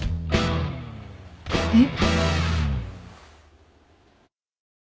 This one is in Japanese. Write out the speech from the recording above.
えっ？